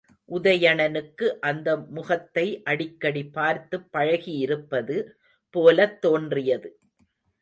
உதயணனுக்கு அந்த முகத்தை அடிக்கடி பார்த்துப் பழகியிருப்பது போலத் தோன்றியது.